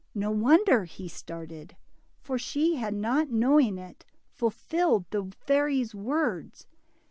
No wonder he started, for she had, not knowing it, fulfilled the fairy's words.